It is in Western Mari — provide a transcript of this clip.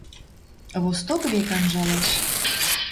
Восток век анжалеш